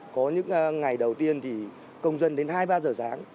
có những ngày đầu tiên thì công dân đến hai ba giờ sáng